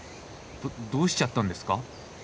どどうしちゃったんですか？